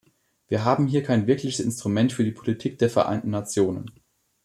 Wir haben hier kein wirkliches Instrument für die Politik der Vereinten Nationen.